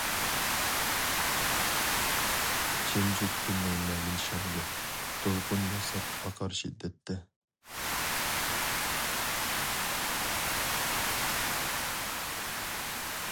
جىمجىت تۈننىڭ مەيىن شامىلى، دولقۇن ياساپ ئاقار شىددەتتە.